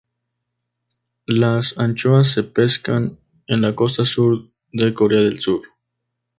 Las anchoas se pescan en la costa sur de Corea del Sur.